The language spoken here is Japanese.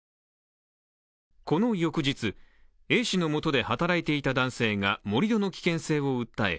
この翌日、Ａ氏のもとで働いていた男性が盛り土の危険性を訴え